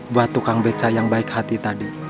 buat tukang beca yang baik hati tadi